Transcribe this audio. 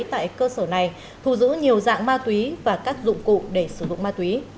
tại cơ sở này thu giữ nhiều dạng ma túy và các dụng cụ để sử dụng ma túy